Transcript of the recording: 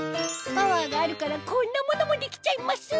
パワーがあるからこんなものもできちゃいます